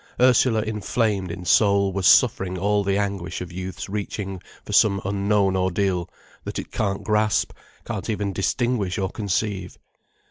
Ursula inflamed in soul, was suffering all the anguish of youth's reaching for some unknown ordeal, that it can't grasp, can't even distinguish or conceive.